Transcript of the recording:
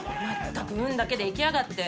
全く運だけで生きやがって。